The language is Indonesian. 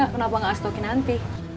bapaknya gak mau nyanyi